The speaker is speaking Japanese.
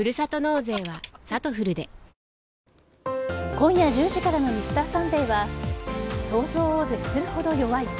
今夜１０時からの「Ｍｒ．サンデー」は想像を絶するほど弱い。